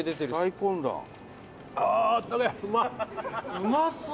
うまそう！